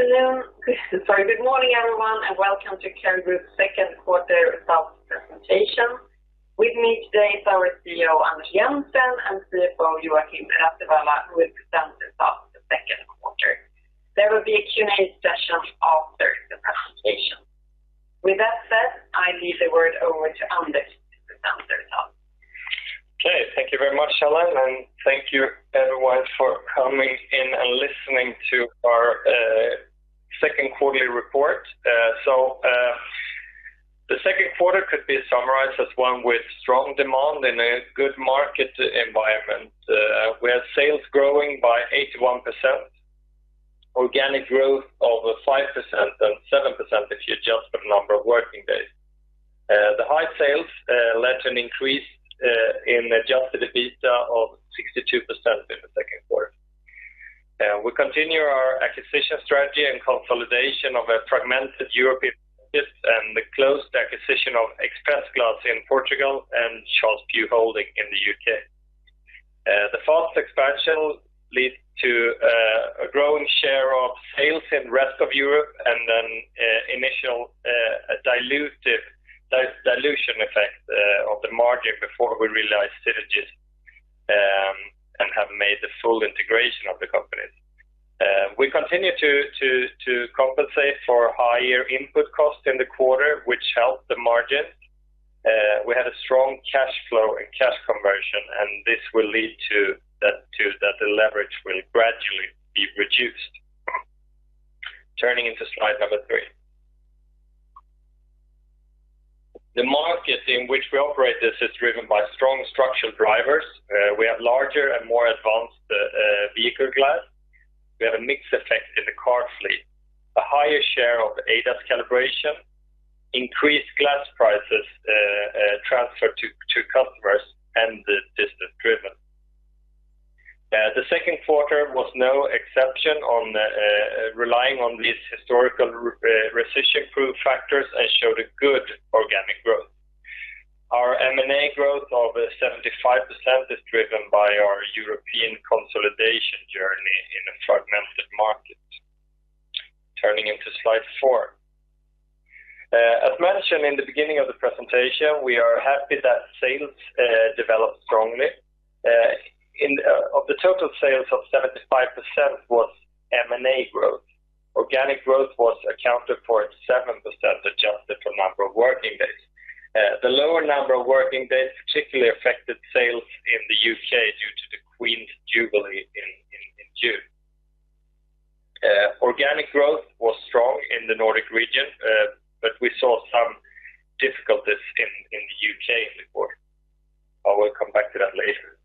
Good morning everyone, and welcome to Cary Group's second quarter results presentation. With me today is our CEO, Anders Jensen, and CFO, Joakim Rasiwala, who will present the results of the second quarter. There will be a Q&A session after the presentation. With that said, I leave the word over to Anders to present the results. Okay. Thank you very much, Helene, and thank you everyone for coming in and listening to our second quarterly report. The second quarter could be summarized as one with strong demand in a good market environment. We had sales growing by 81%, organic growth of 5% and 7% if you adjust for the number of working days. The high sales led to an increase in adjusted EBITDA of 62% in the second quarter. We continue our acquisition strategy and consolidation of a fragmented European and the closed acquisition of ExpressGlass in Portugal and Charles Pugh Holdings in the U.K. The fast expansion leads to a growing share of sales in the rest of Europe and an initial dilution effect of the margin before we realize synergies and have made the full integration of the companies. We continue to compensate for higher input costs in the quarter, which helped the margin. We had a strong cash flow and cash conversion, and this will lead to that the leverage will gradually be reduced. Turning to slide number three. The market in which we operate is driven by strong structural drivers. We have larger and more advanced vehicle glass. We have a mix effect in the car fleet. A higher share of ADAS calibration, increased glass prices transferred to customers and the distance driven. The second quarter was no exception in relying on these historical recession-proof factors and showed a good organic growth. Our M&A growth of 75% is driven by our European consolidation journey in a fragmented market. Turning to slide four. As mentioned in the beginning of the presentation, we are happy that sales developed strongly. Of the total sales, 75% was M&A growth. Organic growth was accounted for 7% adjusted for number of working days. The lower number of working days particularly affected sales in the U.K. due to the Queen's Jubilee in June. Organic growth was strong in the Nordic region, but we saw some difficulties in the U.K. in the quarter. I will come back to that later.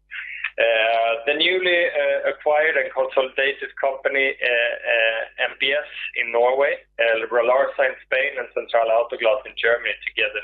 The newly acquired and consolidated company, MPS Bilskade in Norway, Liber Glass in Spain, and Zentrale Autoglas in Germany together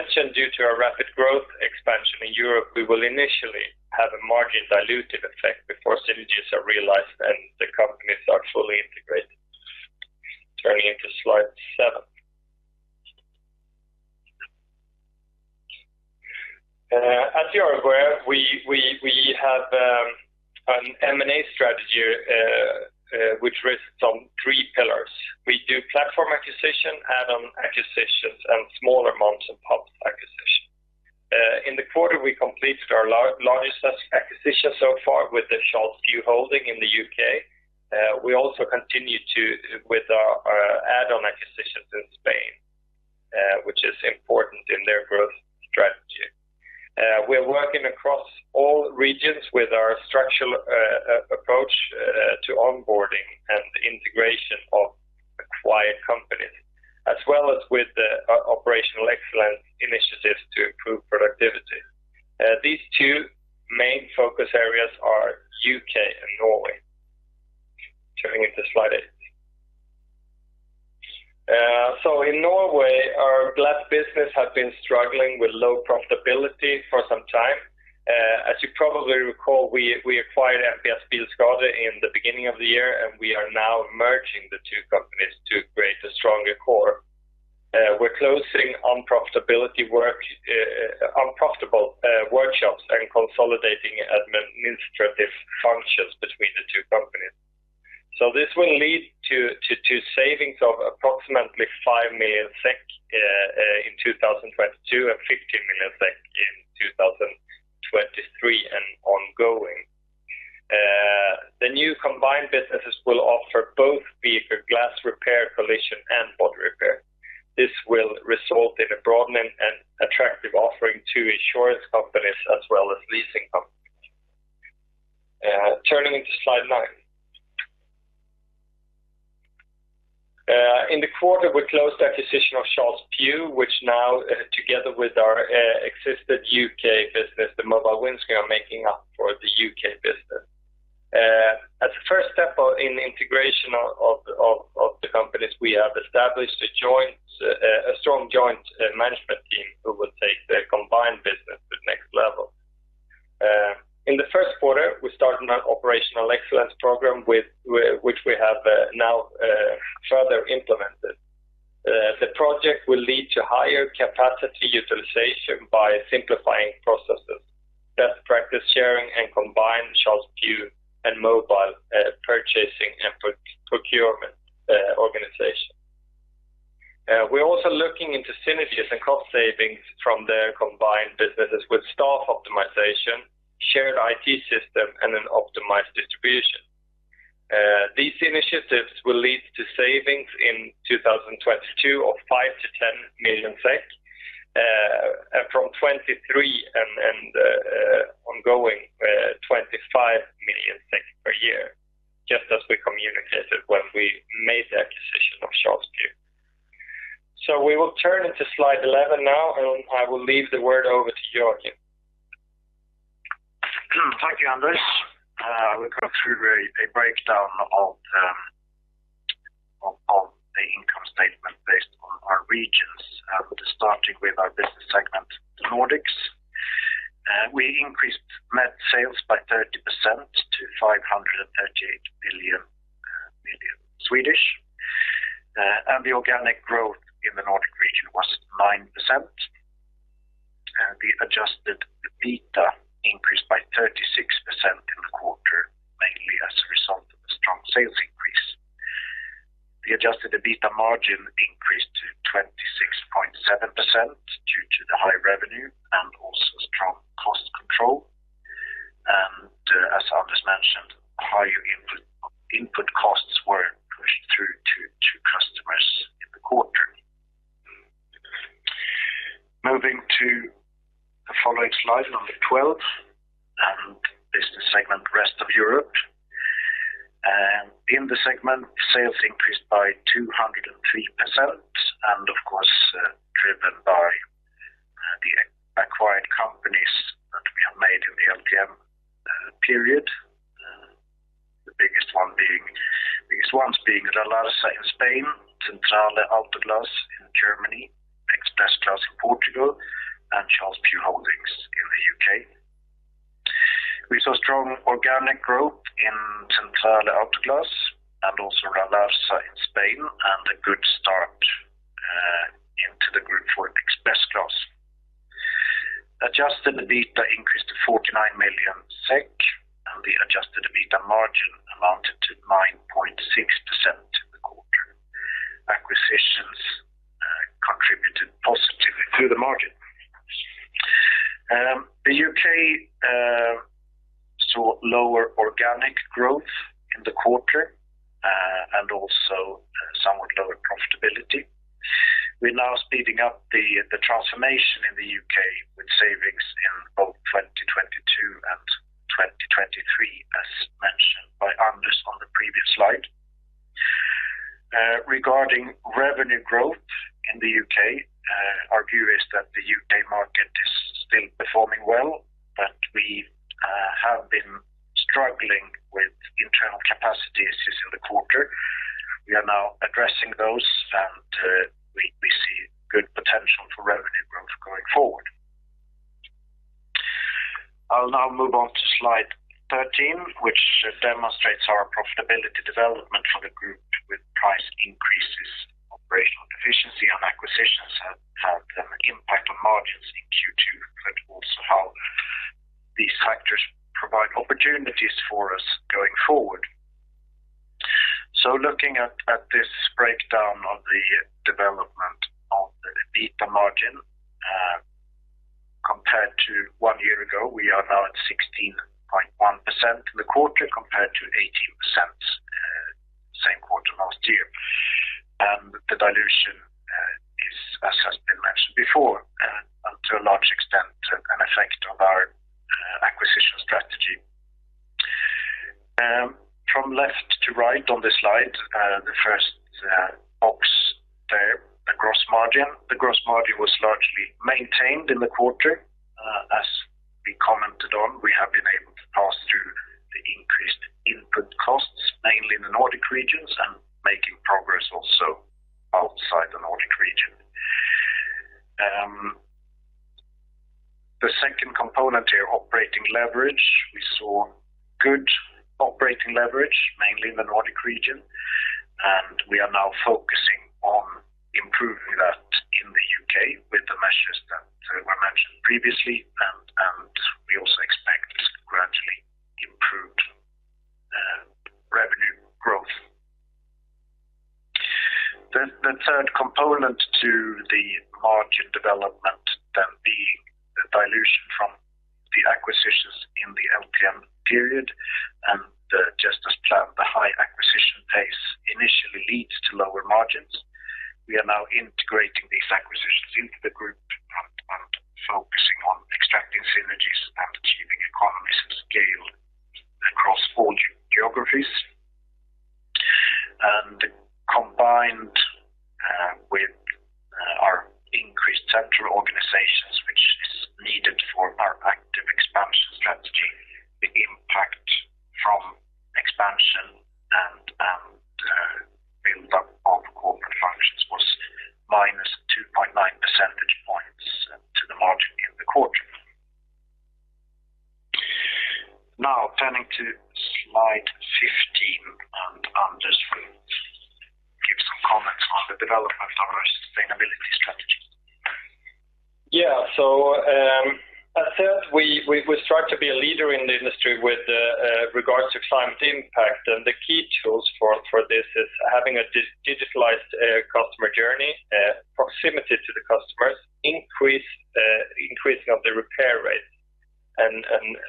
noted a double-digit organic sales increase. Turning to slide five. Adjusted EBITDA amounted to SEK 168 million in the second quarter. The adjusted EBITDA margin amounted to 16.1%. Increased input costs were pushed through in the Nordics, and we made progress in the rest of Europe during the quarter. We saw increased margins in the Nordics and stable margins in the rest of Europe. As mentioned, due to our rapid growth expansion in Europe, we will initially have a margin-dilutive effect before synergies are realized and the companies are fully integrated. Turning to slide seven. As you are aware, we have an M&A strategy which rests on three pillars. We do platform acquisition, add-on acquisitions, and smaller amounts of public acquisition. In the quarter, we completed our largest such acquisition so far with the Charles Pugh Holdings in the U.K. We also continued with our add-on acquisitions in Spain, which is important in their growth strategy. We're working across all regions with our structured approach to onboarding and the integration of acquired companies, as well as with the operational excellence initiatives to improve productivity. These two main focus areas are U.K. and Norway. Turning to slide eight. In Norway, our glass business had been struggling with low profitability for some time. As you probably recall, we acquired MPS Bilskade in the beginning of the year, and we are now merging the two companies to create a stronger core. We're closing unprofitable workshops and consolidating administrative functions between the two companies. This will lead to savings of approximately 5 million SEK in 2022 and 15 million SEK in 2023 and ongoing. The new combined businesses will offer both vehicle glass repair, collision, and body repair. This will result in a broadening and attractive offering to insurance companies as well as leasing companies. Turning to slide nine. This quarter we closed the acquisition of Charles Pugh Holdings, which now together with our existing U.K. business, the Mobile Windscreens, are making up the U.K. business. As a first step in integration of the companies, we have established a strong joint management team who will take the combined business to the next level. In the first quarter, we started an operational excellence program which we have now further implemented. The project will lead to higher capacity utilization by simplifying processes, best practice sharing and combined Charles Pugh and Mobile Windscreens purchasing and procurement organization. We're also looking into synergies and cost savings from their combined businesses with staff optimization, shared IT system, and an optimized distribution. These initiatives will lead to savings in 2022 of 5 million-10 million SEK, and from 2023 and ongoing, 25 million SEK per year, just as we communicated when we made the acquisition of Charles Pugh. We will turn to slide 11 now, and I will hand the word over to Joakim. Thank you, Anders. We'll go through a breakdown of the income statement based on our regions. Starting with our business segment, the Nordics. We increased net sales by 30% to 538 million. The organic growth in the Nordic region was 9%. The adjusted EBITDA increased by 36% in the quarter, mainly as a result of a strong sales increase. The adjusted EBITDA margin increased to 26.7% due to the high revenue and also strong cost control. As Anders mentioned, higher input costs were pushed through to customers in the quarter. Moving to the following slide, number 12, and business segment rest of Europe. In the segment, sales increased by 203%, and of course, driven by the acquired companies that we have made in the LTM period. The biggest ones being Ralarsa in Spain, Zentrale Autoglas in Germany, ExpressGlass in Portugal, and Charles Pugh Holdings in the U.K. We saw strong organic growth in Zentrale Autoglas and also Ralarsa in Spain and a good start into the group for ExpressGlass. Adjusted EBITDA increased to 49 million SEK, and the adjusted EBITDA margin amounted to 9.6% in the quarter. Acquisitions contributed positively to the margin. The U.K. saw lower organic growth in the quarter and also somewhat lower profitability. We're now speeding up the transformation in the U.K. with savings in both 2022 and 2023, as mentioned by Anders on the previous slide. Regarding revenue growth in the U.K., our view is that the U.K. market is still performing well, but we have been struggling with internal capacities this quarter. We are now addressing those and we see good potential for revenue growth going forward. I'll now move on to slide 13, which demonstrates our profitability development for the group. With price increases, operational efficiency and acquisitions have had an impact on margins in Q2, but also how these factors provide opportunities for us going forward. Looking at this breakdown of the development of the EBITDA margin, compared to one year ago, we are now at 16.1% in the quarter compared to 18%, same quarter last year. The dilution is, as has been mentioned before, to a large extent an effect of our acquisition strategy. From left to right on this slide, the first box there, the gross margin. The gross margin was largely maintained in the quarter. As we commented on, we have been able to pass through the increased input costs, mainly in the Nordic regions and making progress also outside the Nordic region. The second component here, operating leverage. We saw good operating leverage, mainly in the Nordic region, and we are now focusing on improving that in the U.K. with the measures that were mentioned previously, and we also expect gradually improved revenue growth. The third component to the margin development then being the dilution from the acquisitions in the LTM period. Just as planned, the high acquisition pace initially leads to lower margins. We are now integrating these acquisitions into the group geographies. Combined with our increased central organizations, which is needed for our active expansion strategy, the impact from expansion and build-up of corporate functions was -2.9 percentage points to the margin in the quarter. Now turning to slide 15, and Anders will give some comments on the development of our sustainability strategy. At heart, we strive to be a leader in the industry with regards to climate impact. The key tools for this is having a digitalized customer journey, proximity to the customers, increasing of the repair rate and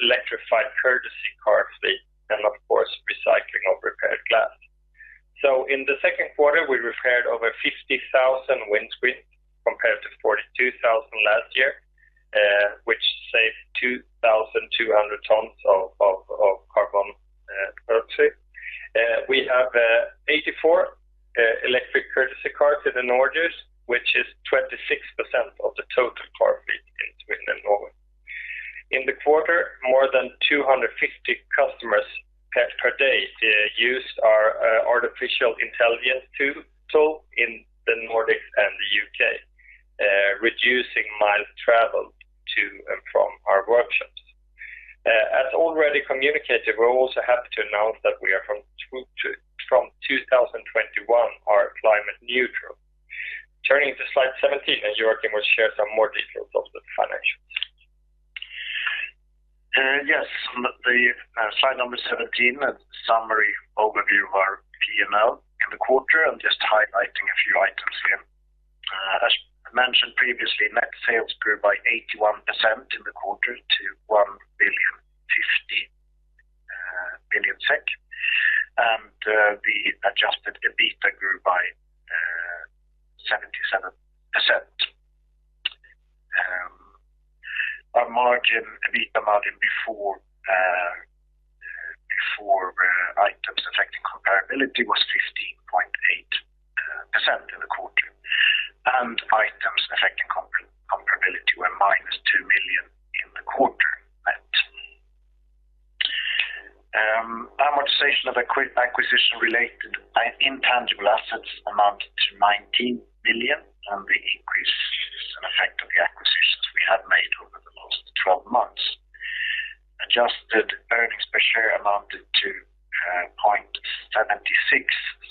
electrified courtesy car fleet and of course, recycling of repaired glass. In the second quarter, we repaired over 50,000 windscreen compared to 42,000 last year, which saved 2,200 tons of carbon dioxide. We have 84 electric courtesy cars in the Nordics, which is 26% of the total car fleet in Sweden and Norway. In the quarter, more than 250 customers per day used our artificial intelligence tool in the Nordics and the U.K., reducing miles traveled to and from our workshops. As already communicated, we're also happy to announce that we are from 2021 are climate neutral. Turning to slide 17, Joakim will share some more details of the financials. Yes. Slide 17, a summary overview of our P&L in the quarter. I'm just highlighting a few items here. As mentioned previously, net sales grew by 81% in the quarter to 1,050 million SEK. The adjusted EBITDA grew by 77%. Our EBITDA margin before items affecting comparability was 15.8% in the quarter, and items affecting comparability were -SEK 2 million in the quarter. Amortization of acquisition-related intangible assets amounted to 19 million, and the increase is an effect of the acquisitions we have made over the last 12 months. Adjusted earnings per share amounted to 0.76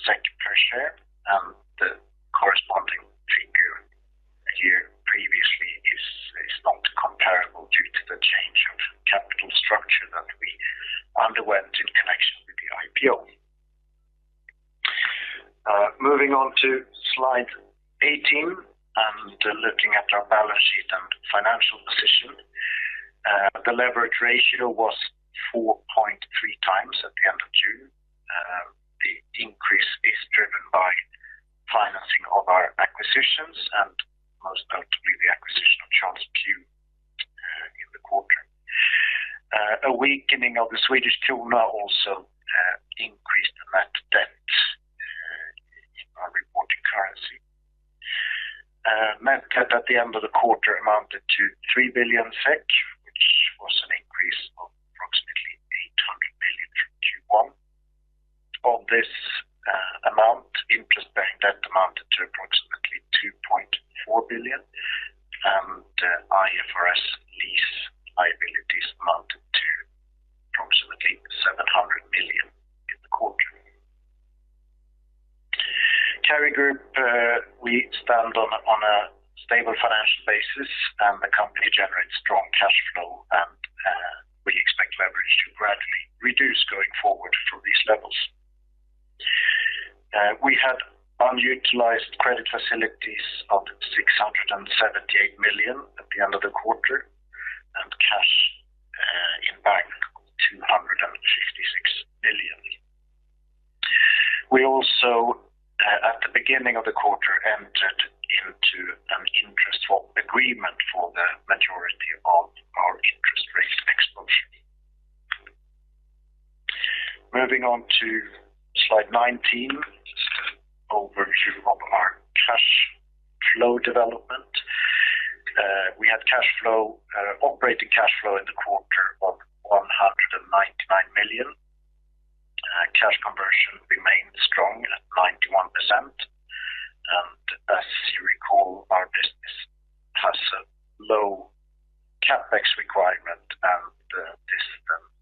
per share, and the corresponding figure a year previously is not comparable due to the change of capital structure that we underwent in connection with the IPO. Moving on to slide 18 and looking at our balance sheet and financial position. The leverage ratio was 4.3x at the end of June. The increase is driven by financing of our acquisitions and most notably the acquisition of Charles Pugh Holdings in the quarter. A weakening of the Swedish krona also increased the net debt in our reported currency. Net debt at the end of the quarter amounted to 3 billion SEK, which was an increase of approximately 800 million from Q1. Of this amount, interest bearing debt amounted to approximately 2.4 billion, and IFRS lease liabilities amounted to approximately 700 million in the quarter. Cary Group, we stand on a stable financial basis, and the company generates strong cash flow and we expect leverage to gradually reduce going forward from these levels. We had unutilized credit facilities of 678 million at the end of the quarter and cash in bank of 256 million. We also at the beginning of the quarter entered into an interest swap agreement for the majority of our interest rate exposure. Moving on to slide 19, overview of our cash flow development. We had operating cash flow in the quarter of 199 million. Cash conversion remained strong at 91%. As you recall, our business has a low CapEx requirement, and this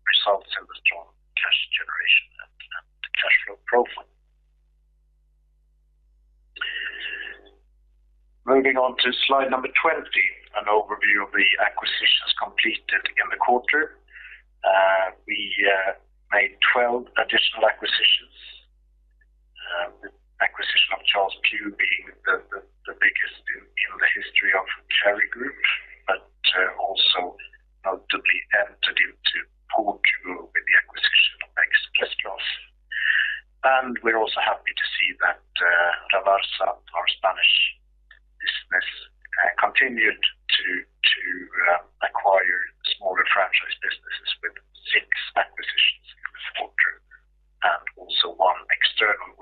results in the strong cash generation and cash flow profile. Moving on to slide number 20, an overview of the acquisitions completed in the quarter. We made 12 additional acquisitions, with acquisition of Charles Pugh Holdings being the biggest deal in the history of Cary Group, but also notably entered into portfolio with the acquisition of ExpressGlass. We're also happy- Acquire smaller franchise businesses with six acquisitions in the quarter, and also one external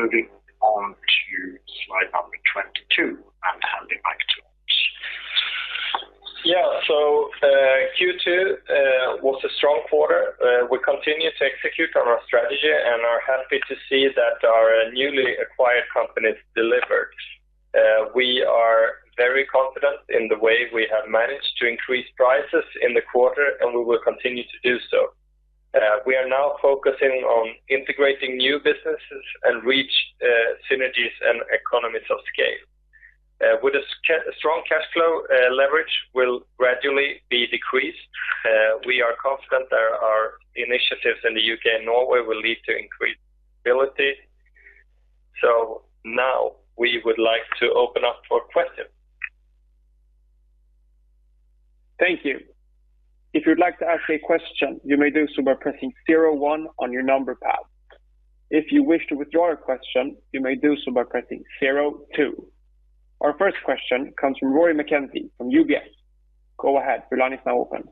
workshop being acquired. Now moving on to slide number 22 and hand it back to Anders. Yeah. Q2 was a strong quarter. We continue to execute on our strategy and are happy to see that our newly acquired companies delivered. We are very confident in the way we have managed to increase prices in the quarter, and we will continue to do so. We are now focusing on integrating new businesses and reach synergies and economies of scale. With a strong cash flow, leverage will gradually be decreased. We are confident that our initiatives in the U.K. and Norway will lead to increased profitability. Now we would like to open up for questions. Thank you. If you'd like to ask a question, you may do so by pressing zero one on your number pad. If you wish to withdraw a question, you may do so by pressing zero two. Our first question comes from Rory McKenzie from UBS. Go ahead. Your line is now open.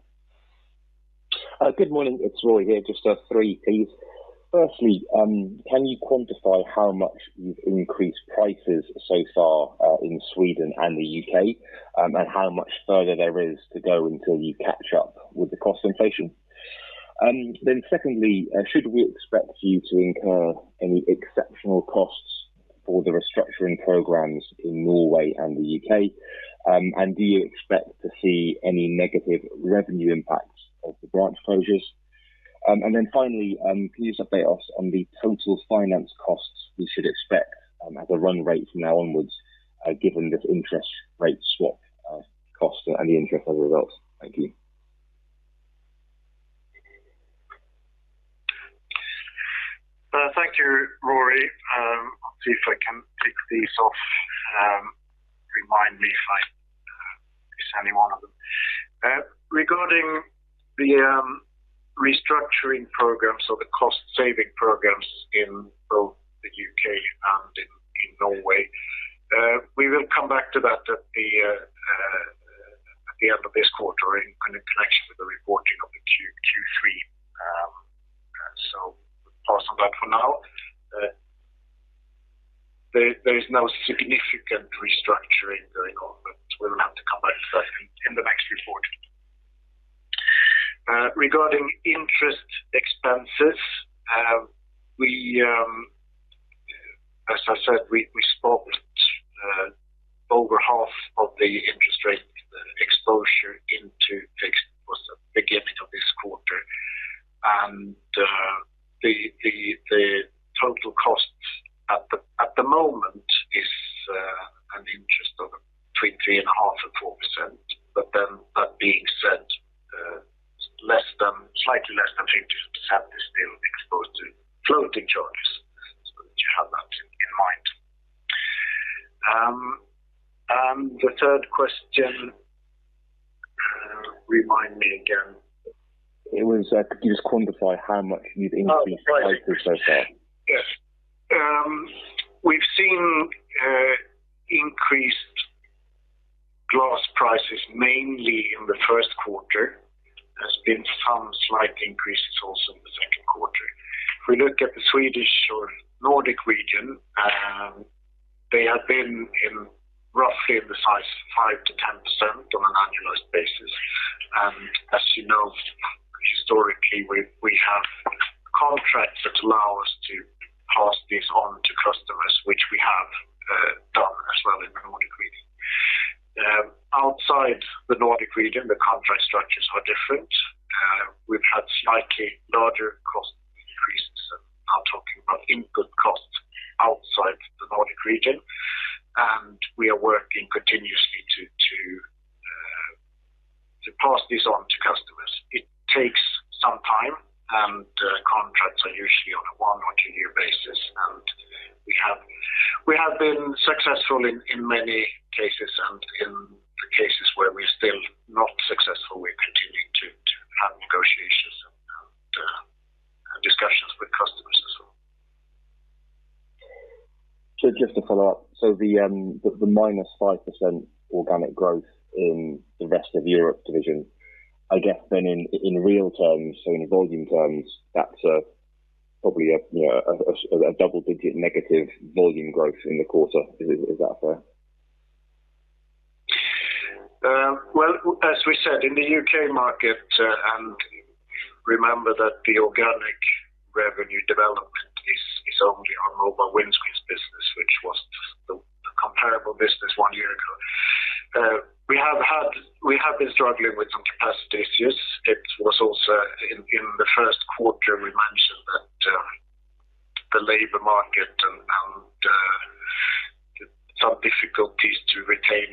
Good morning. It's Rory here. Just three, please. Firstly, can you quantify how much you've increased prices so far in Sweden and the U.K., and how much further there is to go until you catch up with the cost inflation? Then secondly, should we expect you to incur any exceptional costs for the restructuring programs in Norway and the U.K.? And do you expect to see any negative revenue impacts of the branch closures? And then finally, can you just update us on the total finance costs we should expect at the run rate from now onwards, given this interest rate swap cost and the interest on reserves? Thank you. Thank you, Rory. I'll see if I can tick these off. Remind me if I miss any one of them. Regarding the restructuring programs or the cost saving programs in both the U.K. and in Norway, we will come back to that at the end of this quarter in connection with the reporting of the Q3. We'll pause on that for now. There is no significant restructuring going on, but we'll have to come back to that in the next report. Regarding interest expenses, as I said, we swapped over half of the interest rate exposure into fixed towards the beginning of this quarter. The total cost at the moment is an interest of between 3.5 and 4%. That being said, slightly less than 50% is still exposed to floating charges, so that you have that in mind. The third question, remind me again. Could you just quantify how much you've increased the prices so far? Oh, prices. Yes. We've seen increased glass prices mainly in the first quarter. There's been some slight increases also in the second quarter. If we look at the Swedish or Nordic region, they have been roughly in the size 5%-10% on an annualized basis. As you know, historically, we have contracts that allow us to pass this on to customers, which we have done as well in the Nordic region. Outside the Nordic region, the contract structures are different. We've had slightly larger cost increases and I'm talking about input costs outside the Nordic region. We are working continuously to pass this on to customers. It takes some time, and contracts are usually on a one or two year basis. We have been successful in many cases, and in the cases where we're still not successful, we're continuing to have negotiations and discussions with customers as well. Just to follow up. The -5% organic growth in the rest of Europe division, I guess then in real terms, in volume terms, that's probably, you know, a double-digit negative volume growth in the quarter. Is that fair? Well, as we said, in the U.K. market, and remember that the organic revenue development is only on Mobile Windscreens business, which was the comparable business one year ago. We have been struggling with some capacity issues. It was also in the first quarter we mentioned that the labor market and some difficulties to retain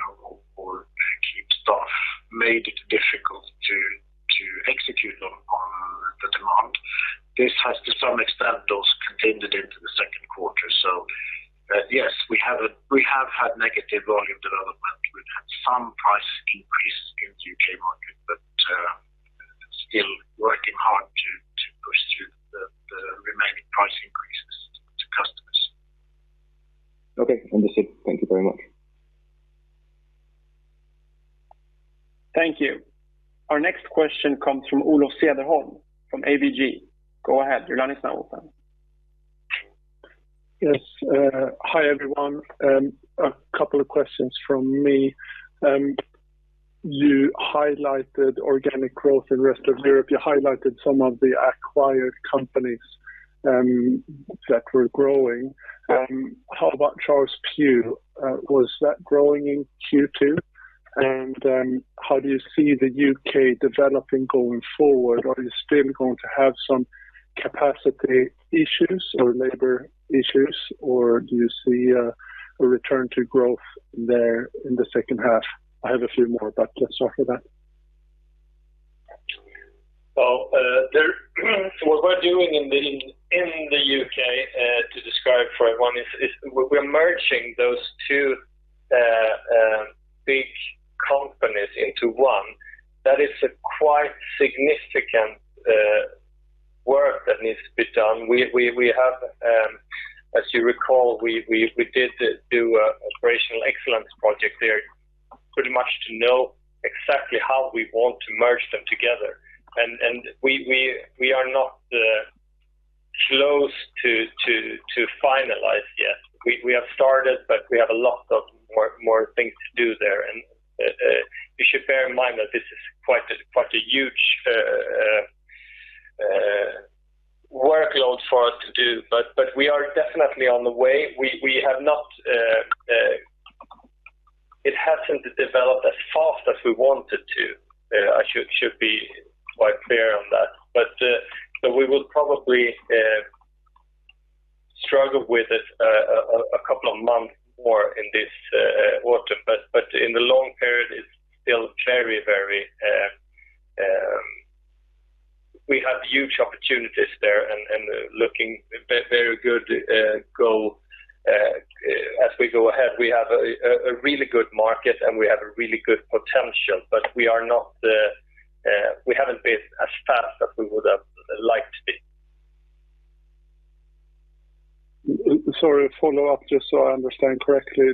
or keep staff made it difficult to execute on the demand. This has to some extent continued into the second quarter. Yes, we have had negative volume development. We've had some price increases in the U.K. market. Okay, understood. Thank you very much. Thank you. Our next question comes from Olof Cederholm from ABG. Go ahead. Your line is now open. Yes, hi, everyone. A couple of questions from me. You highlighted organic growth in rest of Europe. You highlighted some of the acquired companies that were growing. How about Charles Pugh? Was that growing in Q2? How do you see the U.K. developing going forward? Are you still going to have some capacity issues or labor issues, or do you see a return to growth there in the second half? I have a few more, but let's start with that. What we're doing in the U.K. to describe for everyone is we're merging those two big companies into one. That is quite significant work that needs to be done. We have, as you recall, we did do a operational excellence project there pretty much to know exactly how we want to merge them together. We are not close to finalize yet. We have started, but we have a lot more things to do there. You should bear in mind that this is quite a huge workload for us to do, but we are definitely on the way. We have not. It hasn't developed as fast as we want it to. I should be quite clear on that. We will probably struggle with it a couple of months more in this autumn. In the long period, it's still very. We have huge opportunities there and looking at a very good goal as we go ahead. We have a really good market, and we have a really good potential, but we haven't been as fast as we would have liked to be. Sorry, a follow-up just so I understand correctly.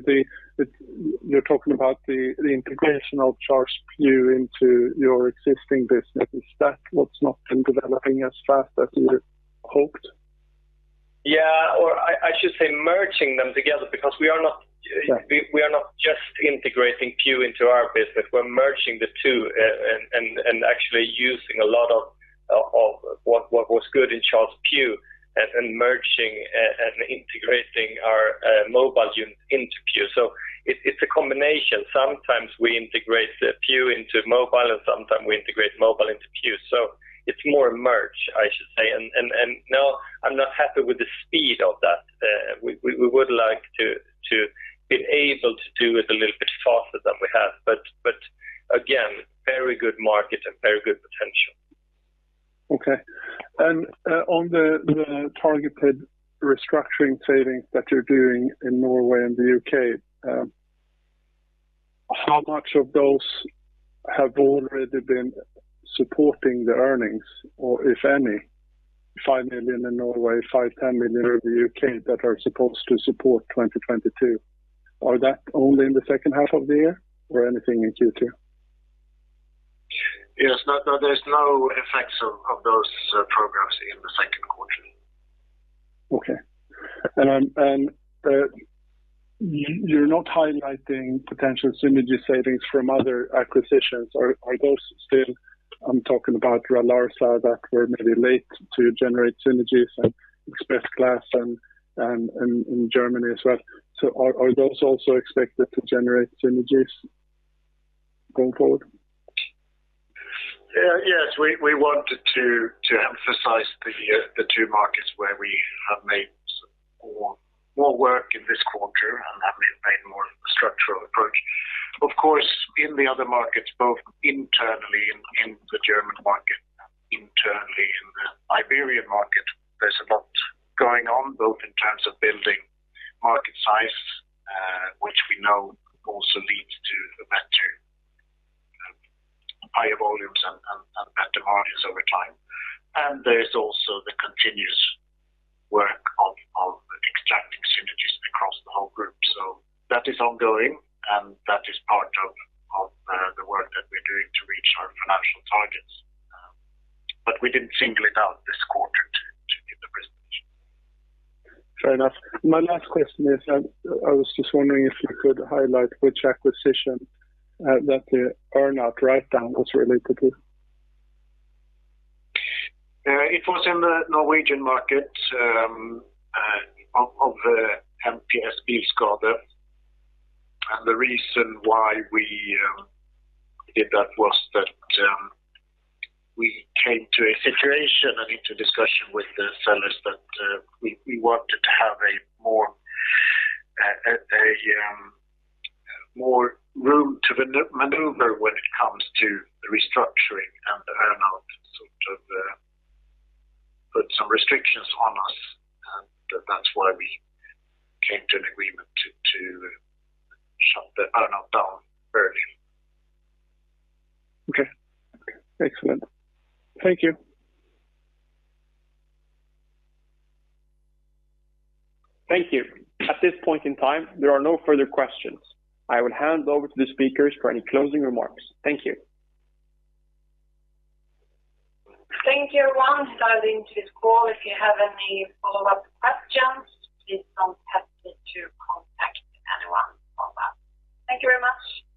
You're talking about the integration of Charles Pugh into your existing business. Is that what's not been developing as fast as you'd hoped? Yeah. I should say merging them together because we are not. Yeah. We are not just integrating Pugh into our business. We're merging the two and actually using a lot of what was good in Charles Pugh and merging and integrating our mobile unit into Pugh. It's a combination. Sometimes we integrate Pugh into mobile, and sometimes we integrate mobile into Pugh. It's more a merge, I should say. No, I'm not happy with the speed of that. We would like to been able to do it a little bit faster than we have. Again, very good market and very good potential. Okay. On the targeted restructuring savings that you're doing in Norway and the U.K., how much of those have already been supporting the earnings, or if any? 5 million in Norway, 5-10 million in the U.K. that are supposed to support 2022. Are they only in the second half of the year or anything in Q2? Yes. No, no, there's no effects of those programs in the second quarter. Okay. You're not highlighting potential synergy savings from other acquisitions. Are those still? I'm talking about Ralarsa that were maybe late to generate synergies and ExpressGlass and in Germany as well. Are those also expected to generate synergies going forward? Yes. We wanted to emphasize the two markets where we have made more work in this quarter and have made more structural approach. Of course, in the other markets, both internally in the German market, internally in the Iberian market, there's a lot going on, both in terms of building market size, which we know also leads to better higher volumes and better margins over time. There is also the continuous work of extracting synergies across the whole group. That is ongoing, and that is part of the work that we're doing to reach our financial targets. But we didn't single it out this quarter to give the presentation. Fair enough. My last question is, I was just wondering if you could highlight which acquisition that the earn-out write-down was related to? It was in the Norwegian market of the MPS Bilskade. The reason why we did that was that we came to a situation and into discussion with the sellers that we wanted to have more room to maneuver when it comes to the restructuring. The earn-out sort of put some restrictions on us, and that's why we came to an agreement to shut the earn-out down early. Okay. Excellent. Thank you. Thank you. At this point in time, there are no further questions. I will hand over to the speakers for any closing remarks. Thank you. Thank you, everyone, for dialing into this call. If you have any follow-up questions, please don't hesitate to contact anyone of us. Thank you very much.